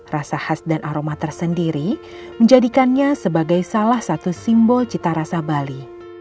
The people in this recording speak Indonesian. rasa khas dan aroma tersendiri menjadikannya sebagai salah satu simbol cita rasa bali